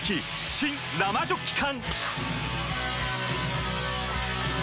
新・生ジョッキ缶！